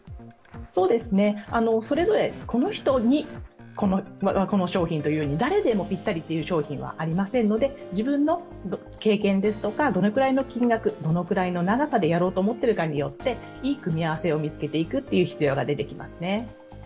それぞれこの人にこの商品というふうに誰でもピッタリという商品はありませんので、自分の経験ですとかどれくらいの金額、どのくらいの長さでやろうと思っているかによっていい組み合わせを見つけていく必要が出てきますね。